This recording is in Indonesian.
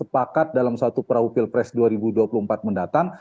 bersepakat untuk tidak sepakat dalam satu perahu pilpres dua ribu dua puluh empat mendatang